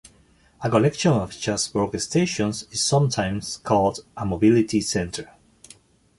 A collection of such workstations is sometimes called a mobility centre.